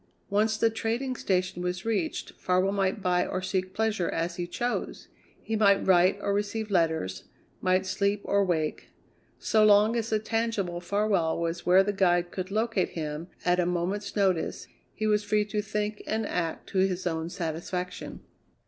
Once the trading station was reached, Farwell might buy or seek pleasure as he chose; he might write or receive letters; might sleep or wake. So long as the tangible Farwell was where the guide could locate him at a moment's notice, he was free to think and act to his own satisfaction.